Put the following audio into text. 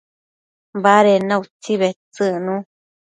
baded na utsi bedtsëcnu